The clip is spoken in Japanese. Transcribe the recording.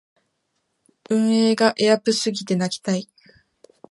運営がエアプすぎて泣きたい